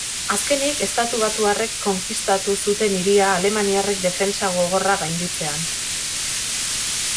Azkenik estatubatuarrek konkistatu zuten hiria alemaniarrek defentsa gogorra gainditzean.